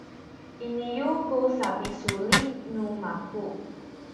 iniyu ku sapisulit nu maku